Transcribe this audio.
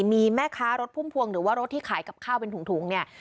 มีแม่ค้ารถพุ่มพวงหรือว่ารถที่ขายกับข้าวเป็นถุงเนี่ย